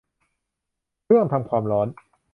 เครื่องทำความร้อน